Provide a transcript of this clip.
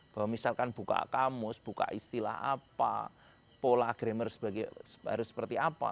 bahwa misalkan buka kamus buka istilah apa pola gramer harus seperti apa